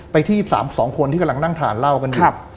ไปที่สองคนที่กำลังนั่งทานเล่ากันดี